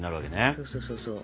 そうそうそうそう。